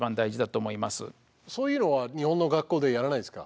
そういうのは日本の学校でやらないんですか？